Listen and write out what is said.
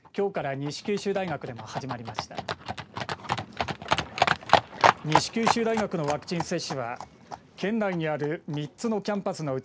西九州大学のワクチン接種は県内にある３つのキャンパスの内